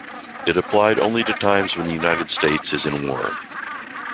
It applied only to times when the United States is in war.